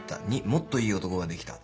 ２もっといい男ができた